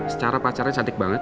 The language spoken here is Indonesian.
secara pacarnya cantik banget